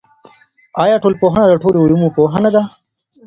آیا ټولنپوهنه د ټولو علومو پوهنه ده؟